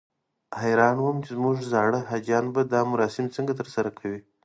حیران وم چې زموږ زاړه حاجیان به دا مراسم څنګه ترسره کوي.